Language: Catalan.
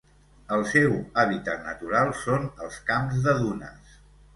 El seu hàbitat natural són els camps de dunes.